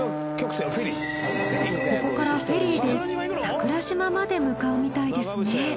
ここからフェリーで桜島まで向かうみたいですね。